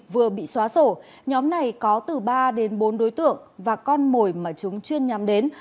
vừa bị xóa sổ nhóm này có từ ba đến bốn đối tượng và con mồi mà chúng chuyên nhắm đến